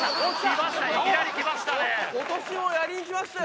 今年もやりに来ましたよ。